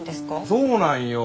そうなんよ。